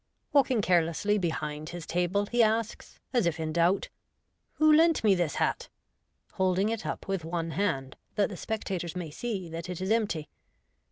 Walking carelessly behind his table, he asks, as if in doubt, " Who lent me this hat ?" holding it up with one hand, that the spectators may see that it is empty.